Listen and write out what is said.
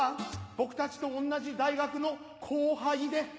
僕たちと同じ大学の後輩で